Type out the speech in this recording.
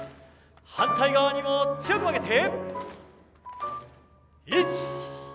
反対側にも強く曲げて。